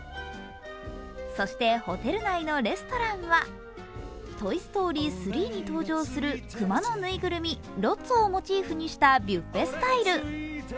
そしてホテル内のレストランには「トイ・ストーリー３」に登場する熊のぬいぐるみ、ロッツォをモチーフにしたビュッフェスタイル。